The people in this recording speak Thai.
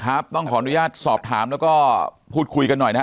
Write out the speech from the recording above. ครับต้องขออนุญาตสอบถามแล้วก็พูดคุยกันหน่อยนะฮะ